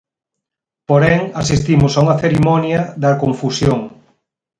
Porén, asistimos a unha cerimonia da confusión.